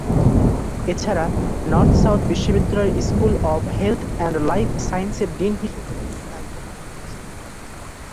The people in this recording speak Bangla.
এছাড়া, নর্থ সাউথ বিশ্ববিদ্যালয়ের school of health and life সায়েন্সের ডিন হিসেবেও দায়িত্ব পালন করেছেন।